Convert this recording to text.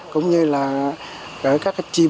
cũng như là các chi bộ